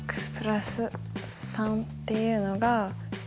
っていうのが。